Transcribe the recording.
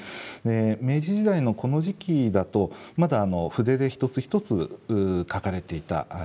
明治時代のこの時期だとまだ筆で一つ一つ書かれていた時代でした。